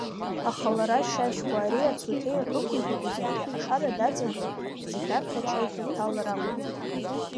Аха лара Шьашькәа, ари-ацуҭеи ықәибагозаргьы, ашара даҵагыланы, зегь раԥхьа ачаиҭра дҭалар акәын.